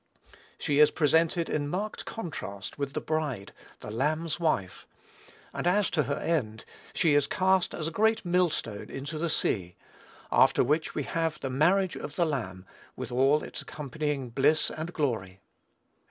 She is presented in marked contrast with the bride, the Lamb's wife; and as to her end, she is cast as a great millstone into the sea; after which we have the marriage of the Lamb, with all its accompanying bliss and glory.